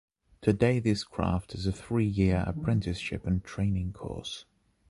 Today this craft is a three-year apprenticeship and training course.